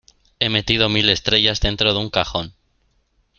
He metido mil estrellas dentro de un cajón.